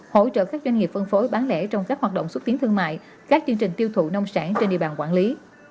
hỗ trợ các doanh nghiệp phân phối bán lẻ trong các hoạt động xúc tiến thương mại các chương trình tiêu thụ nông sản trên địa bàn quản lý